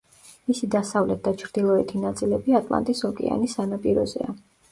მისი დასავლეთ და ჩრდილოეთი ნაწილები ატლანტის ოკეანის სანაპიროზეა.